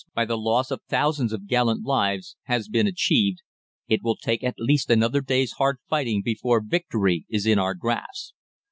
by the loss of thousands of gallant lives has been achieved, it will take at least another day's hard fighting before victory is in our grasp.